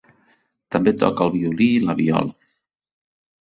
També tocà el violí i la viola.